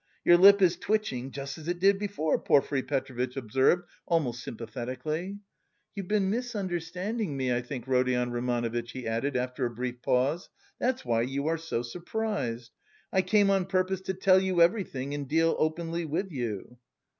"Your lip is twitching just as it did before," Porfiry Petrovitch observed almost sympathetically. "You've been misunderstanding me, I think, Rodion Romanovitch," he added after a brief pause, "that's why you are so surprised. I came on purpose to tell you everything and deal openly with you."